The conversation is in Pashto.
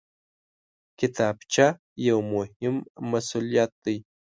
کتابچه یو مهم مسؤلیت دی